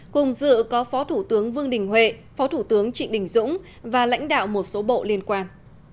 cùng dự có phó thủ tướng vương đình huệ phó thủ tướng trịnh đình dũng và lãnh đạo một số bộ liên quan